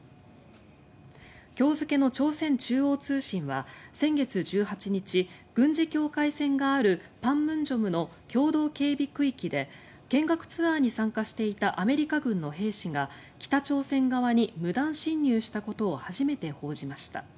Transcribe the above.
今日付の朝鮮中央通信は先月１８日軍事境界線がある板門店の共同警備区域で見学ツアーに参加していたアメリカ軍の兵士が北朝鮮側に無断侵入したことを初めて報じました。